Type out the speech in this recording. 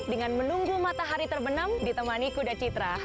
dengan menunggu matahari terbenam ditemani kuda citra